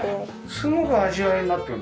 すごく味わいになってる。